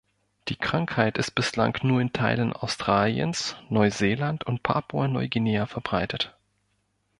Die Krankheit ist bislang nur in Teilen Australiens, Neuseeland und Papua-Neuguinea verbreitet.